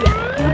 pake bambin aja